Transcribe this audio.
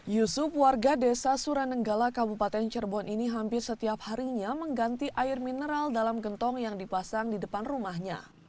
yusuf warga desa suranenggala kabupaten cirebon ini hampir setiap harinya mengganti air mineral dalam gentong yang dipasang di depan rumahnya